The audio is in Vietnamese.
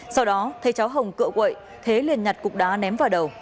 sau đó thấy cháu hồng cựa quậy thế liền nhặt cục đá ném vào đầu